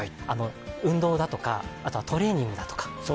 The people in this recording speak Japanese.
運動だとか、トレーニングだとか。